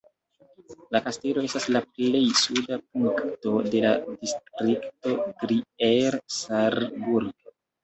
La kastelo estas la plej suda punkto de la distrikto Trier-Saarburg.